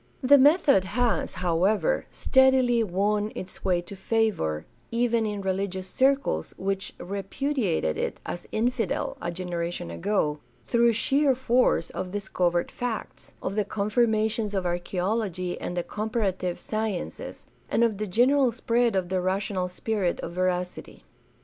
The method has, however, steadily won its way to favor — even in religious circles which repudiated it as "infidel" a generation ago — ^through sheer force of discovered facts, of the confirmations of archaeology and the comparative sciences, and of the general spread of the rational spirit of veracity.